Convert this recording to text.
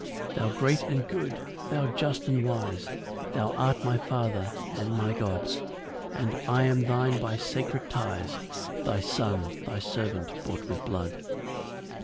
2 Thou great and good, thou just and wise, Thou art my Father and my God; And I am thine by sacred ties; Thy son, thy servant bought with blood.